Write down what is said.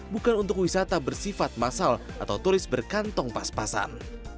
bukan untuk wisata bersifat masal atau turis berkantong pas pasan